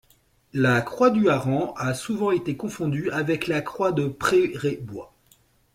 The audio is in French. La croix du hareng a souvent été confondue avec la croix de Prérébois.